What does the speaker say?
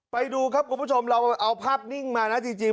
ไปดูครับคุณผู้ชมเราเอาภาพนิ่งมานะจริง